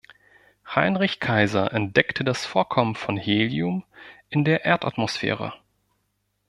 Heinrich Kayser entdeckte das Vorkommen von Helium in der Erdatmosphäre.